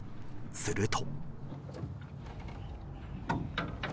すると。